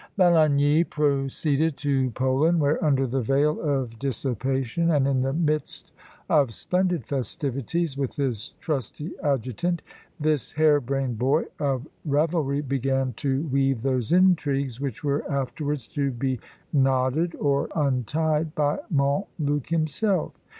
Balagny proceeded to Poland, where, under the veil of dissipation, and in the midst of splendid festivities, with his trusty adjutant, this hair brained boy of revelry began to weave those intrigues which were afterwards to be knotted, or untied, by Montluc himself.